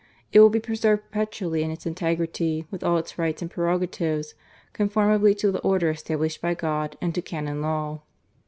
It will be preserved perpetually in its integrity, with all its rights and prerogatives, comformably to the order established by God, and to Canon Law.